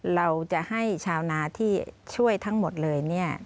เราจะให้ชาวนาที่ช่วยทั้งหมดเลยเนี่ย